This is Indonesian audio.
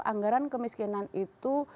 anggaran kemiskinan itu